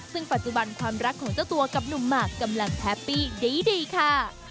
ซึ่งปัจจุบันความรักของเจ้าตัวกับหนุ่มหมากกำลังแฮปปี้ดีค่ะ